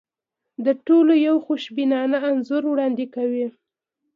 دا ټول یو خوشبینانه انځور وړاندې کوي.